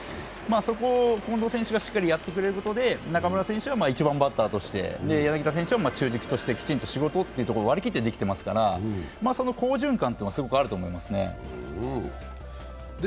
そこを近藤選手がしっかりやってくれることによって中村選手は１番バッターとして、柳田選手は中軸としてきちんと仕事を割りきってできてますから、その好循環がすごくあると思いますね。